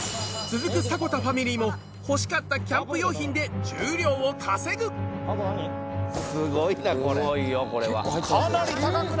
続く迫田ファミリーも欲しかったキャンプ用品で重量を稼ぐあと何？